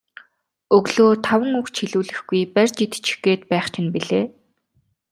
Өглөө таван үг ч хэлүүлэхгүй барьж идчих гээд байх чинь билээ.